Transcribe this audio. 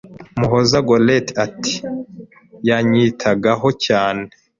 Muhoza Goreti ati: "Yanyitagaho cyane,